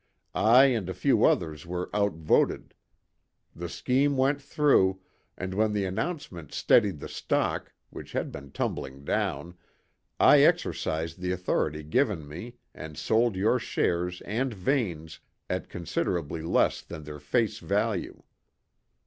I and a few others were outvoted; the scheme went through, and when the announcement steadied the stock, which had been tumbling down, I exercised the authority given me and sold your shares and Vane's at considerably less than their face value.